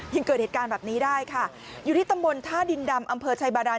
ยังเกิดเหตุการณ์แบบนี้ได้ค่ะอยู่ที่ตำบลท่าดินดำอำเภอชัยบาดาน